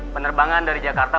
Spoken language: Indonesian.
penerbangan dari jakarta